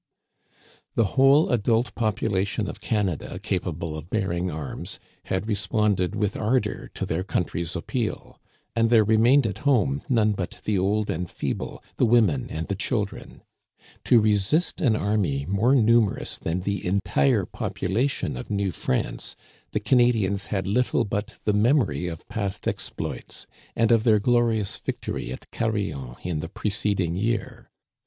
The whole adult population of Canada capable of bearing arras had responded with ardor to their country's appeal; and there remained at home none but the old and feeble, the women and the children. To resist an army more numerous than the entire population of New France the Canadians had little but the memory of past exploits, and of their glorious victory at Carillon in the preceding year.